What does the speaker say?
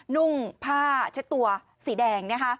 นุ่งผ้าเช็ดตัวสีแดง